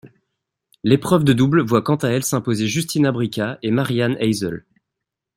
L'épreuve de double voit quant à elle s'imposer Justina Bricka et Mary-Ann Eisel.